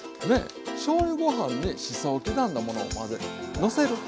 しょうゆご飯にしそを刻んだものをのせる。